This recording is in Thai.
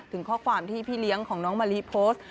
ถึงข้อความที่พี่เลี้ยงของน้องมะลิโพสต์